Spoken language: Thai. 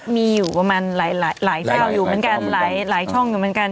มีอยู่ประมาณหลายช่องอยู่เหมือนกันหลายช่องอยู่เหมือนกัน